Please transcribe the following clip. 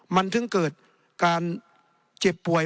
มันถึงเกิดการเจ็บป่วย